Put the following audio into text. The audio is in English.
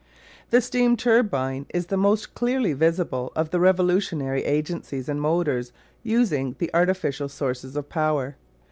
The steam turbine is the most clearly visible of the revolutionary agencies in motors using the artificial sources of power.